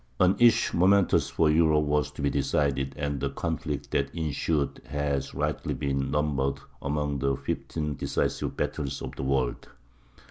An issue momentous for Europe was to be decided, and the conflict that ensued has rightly been numbered among the fifteen decisive battles of the world.